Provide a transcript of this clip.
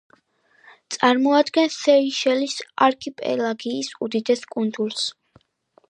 წარმოადგენს სეიშელის არქიპელაგის უდიდეს კუნძულს.